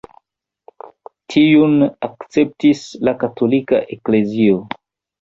Tiun akceptis la katolika eklezio.